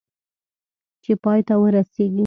چې پای ته ورسېږي .